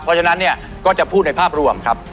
เพราะฉะนั้นเนี่ยก็จะพูดในภาพรวมครับ